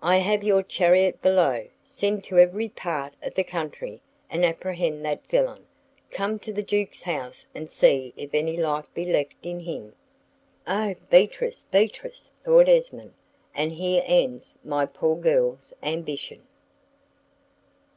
I have your chariot below; send to every part of the country and apprehend that villain; come to the Duke's house and see if any life be left in him." "Oh, Beatrix, Beatrix," thought Esmond, "and here ends my poor girl's ambition!"